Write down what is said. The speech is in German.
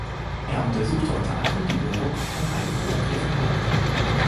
Er untersuchte unter anderem die Wirkung von Alkohol auf ihr Verhalten.